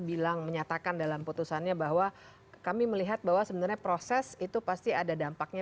bilang menyatakan dalam putusannya bahwa kami melihat bahwa sebenarnya proses itu pasti ada dampaknya